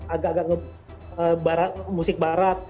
agak agak musik barat